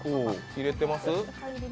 切れてます？